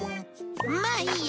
まあいいや。